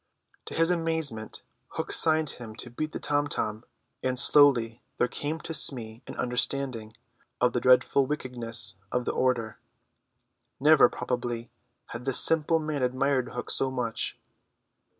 To his amazement Hook signed him to beat the tom tom, and slowly there came to Smee an understanding of the dreadful wickedness of the order. Never, probably, had this simple man admired Hook so much.